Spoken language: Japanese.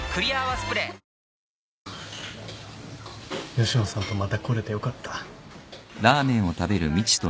吉野さんとまた来れてよかった。